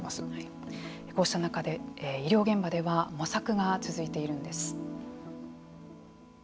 こうした中で医療現場では模索が続いているんです。